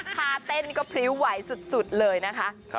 ท่าเต้นก็พริ้วไหวสุดเลยนะคะ